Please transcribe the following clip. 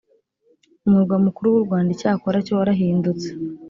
umurwa mukuru w’u rwanda icyakora cyo warahindutse